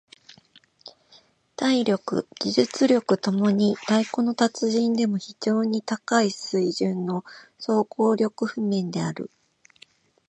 体力・技術共に太鼓の達人でも非常に高い水準の総合力譜面である。